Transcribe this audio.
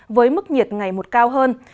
với mức nhiệt ngày một cao hơn